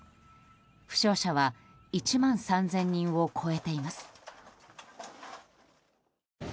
負傷者は１万３０００人を超えています。